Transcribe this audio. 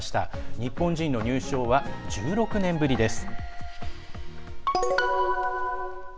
日本人の入賞は１６年ぶりです。